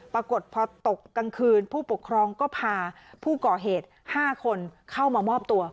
ปรากฏพอตกกลางคืนผู้ปกครองก็พาผู้ก่อเหตุ๕คนเข้ามามอบตัว